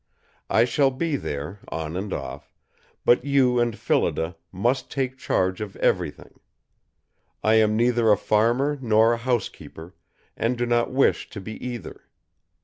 I shall be there, on and off, but you and Phillida must take charge of everything. I am neither a farmer nor a housekeeper, and do not wish to be either.